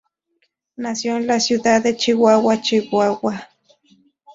Nació en la ciudad de Chihuahua, Chihuahua.